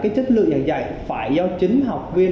chất lượng giảng dạy phải do chính học viên